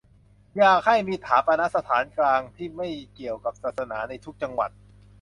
อยากให้มีฌาปนสถานกลางที่ไม่เกี่ยวกับศาสนา ในทุกจังหวัด